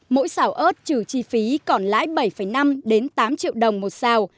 mỗi xảo ớt trừ trị phí còn lái bảy năm đến tám triệu đồng một sao